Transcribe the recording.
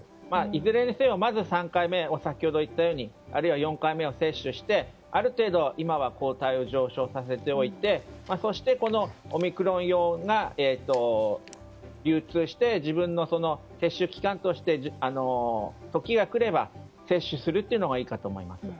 いずれにせよ先ほど言ったようにまず３回目をあるいは４回目を接種してある程度、今は抗体を上昇させておいてそして、オミクロン用が流通して自分の接種期間として時が来れば接種するというのがいいかと思います。